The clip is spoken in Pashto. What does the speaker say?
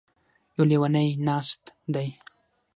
يـو ليونی نـاست دی.